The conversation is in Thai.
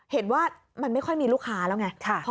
เห็นว่ามันไม่ค่อยมีลูกค้าแล้วไง